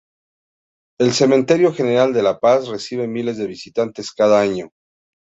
El Cementerio General de La Paz recibe miles de visitantes cada año.